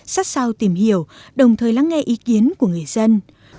sát sao tìm hiểu đồng thời lắng nghe ý kiến của người dân